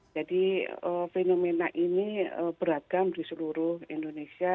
jadi fenomena ini beragam di seluruh indonesia